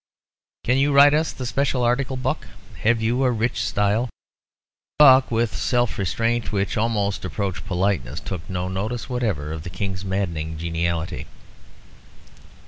Can you write us the special article, Buck? Have you a rich style?" Buck, with a self restraint which almost approached politeness, took no notice whatever of the King's maddening geniality.